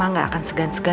mama gak akan segan segan